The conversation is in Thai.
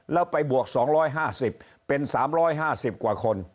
แล้วไปบวกสองร้อยห้าสิบเป็นสามร้อยห้าสิบกว่าคน